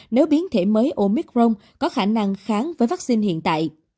nếu biến thể mới omicron có khả năng kháng với vaccine hiện tại